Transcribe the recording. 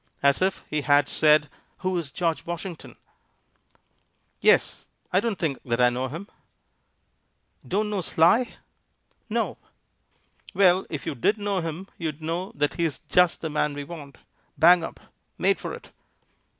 _" as if he had said, Who is George Washington? "Yes; I don't think that I know him." "Don't know Sly?" "No." "Well, if you did know him, you'd know that he's just the man we want; bang up; made for it."